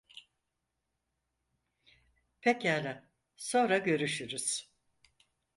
Pekâlâ, sonra görüşürüz.